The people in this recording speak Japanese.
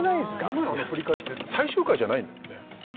今の振り返りって最終回じゃないんだよね？